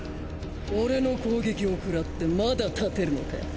俺の攻撃をくらってまだ立てるのか。